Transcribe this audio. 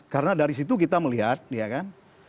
karena dari situ kita melihat ya kan